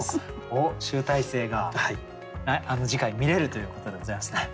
おっ集大成が次回見れるということでございますね。